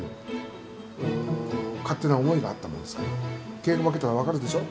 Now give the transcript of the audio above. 稽古場、開けたら分かるでしょ？